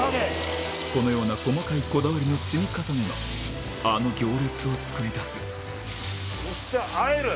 このような細かいこだわりの積み重ねがあの行列を作り出すそしてあえる！